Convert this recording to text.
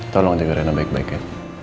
tolong jaga rena baik baik ya